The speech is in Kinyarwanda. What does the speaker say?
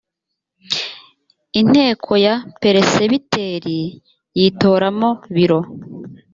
inteko ya peresibiteri yitoramo biro